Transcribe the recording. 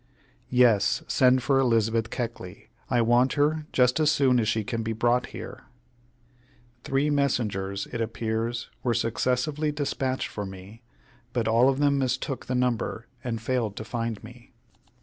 "Yes, send for Elizabeth Keckley. I want her just as soon as she can be brought here." Three messengers, it appears, were successively despatched for me, but all of them mistook the number and failed to find me.